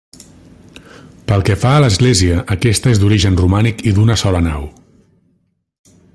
Pel que fa a l'església, aquesta és d'origen romànic i d'una sola nau.